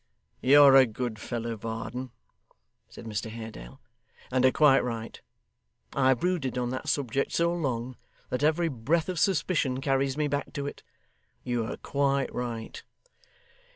'You're a good fellow, Varden,' said Mr Haredale, 'and are quite right. I have brooded on that subject so long, that every breath of suspicion carries me back to it. You are quite right.